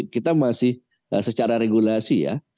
kita masih secara regulasi ya